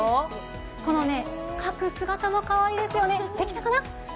この書く姿もかわいいですよね、できたかな？